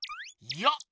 よっ！